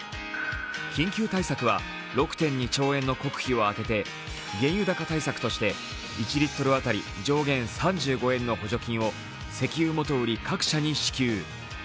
緊急対策は、６．２兆円の国費を充てて、原油高対策として１リットル当たり上限３５円の補助金を石油元売り各社に支給。